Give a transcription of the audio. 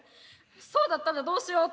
そうだったらどうしようって。